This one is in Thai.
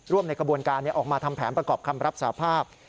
ในกระบวนการออกมาทำแผนประกอบคำรับสาภาพ